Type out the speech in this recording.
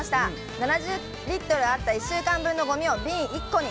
７０リットルあった１週間分のごみを瓶１個に。